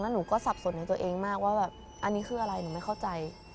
หนูก็สับสนในตัวเองมากว่าแบบอันนี้คืออะไรหนูไม่เข้าใจ